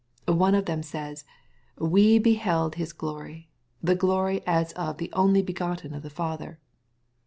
One of them says, "we beheld his glory, the glory as of the only begotten of the Father."